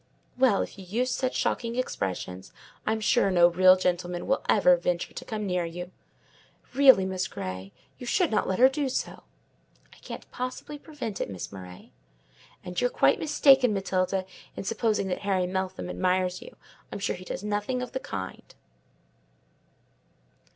"Well, if you use such shocking expressions, I'm sure no real gentleman will ever venture to come near you. Really, Miss Grey, you should not let her do so." "I can't possibly prevent it, Miss Murray." "And you're quite mistaken, Matilda, in supposing that Harry Meltham admires you: I assure you he does nothing of the kind."